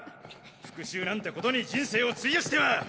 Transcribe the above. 復讐なんてことに人生を費やしては！